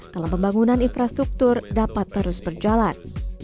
dalam pembangunan infrastruktur dapat terus berjalan